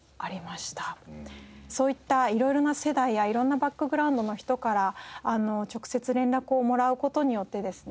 そういった色々な世代や色んなバックグラウンドの人から直接連絡をもらう事によってですね